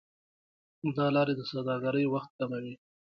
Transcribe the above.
دا لارې د سوداګرۍ وخت کموي.